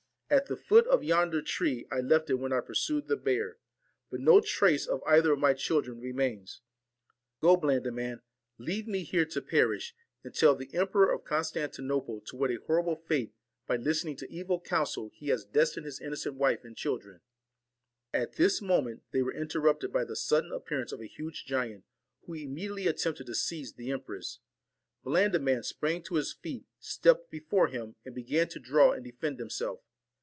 At the foot of yonder tree I left it when I pursued the bear; but no trace of either of my children remains. Go, Blandi man, leave me here to perish, and tell the Emperor of Constantinople to what a horrible fate, by listen ing to evil counsel, he has destined his innocent wife and children.' At this moment they were interrupted by the sudden appearance of a huge giant, who imme diately attempted to seize the empress. Blandi man sprang to his feet, stepped before him, and began to draw and defend himself.